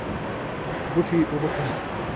بوټي اوبه کړه